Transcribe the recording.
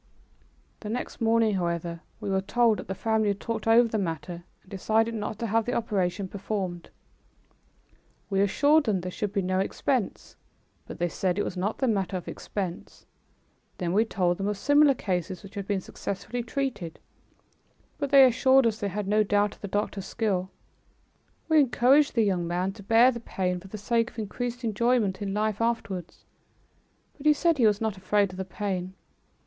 The next morning, however, we were told that the family had talked over the matter and decided not to have the operation performed. We assured them there should be no expense, but they said it was not the matter of expense. Then we told them of similar cases which had been successfully treated, but they assured us they had no doubt of the doctor's skill. We encouraged the young man to bear the pain for the sake of increased enjoyment in life afterwards, but he said he was not afraid of the pain.